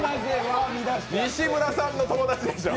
西村さんの友達でしょう。